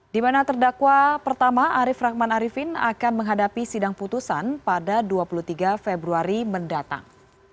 di mana terdakwa pertama arief rahman arifin akan menghadapi sidang putusan pada dua puluh tiga februari mendatang